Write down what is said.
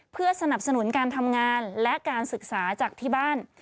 เพื่อสนับสนุนการทำงานและการศึกษาจากที่บ้าน